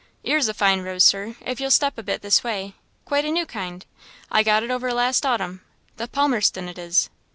'Ere's a fine rose, Sir if you'll step a bit this way quite a new kind I got it over last h'autumn the Palmerston it is.